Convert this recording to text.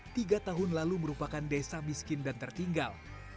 tiga tahun lalu merupakan desa miskin dan tertinggal